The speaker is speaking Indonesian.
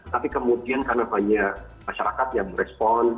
tapi kemudian karena banyak masyarakat yang merespon